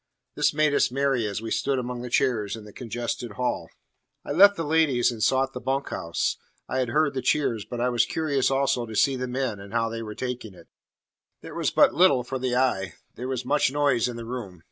'" This made us merry as we stood among the chairs in the congested hall. I left the ladies, and sought the bunk house. I had heard the cheers, but I was curious also to see the men, and how they were taking it. There was but little for the eye. There was much noise in the room.